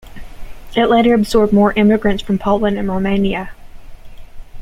It later absorbed more immigrants from Poland and Romania.